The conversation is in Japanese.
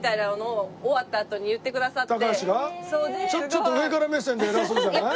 ちょっと上から目線で偉そうじゃない？